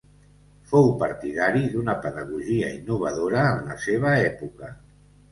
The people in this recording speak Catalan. Fou partidari d’una pedagogia innovadora en la seva època.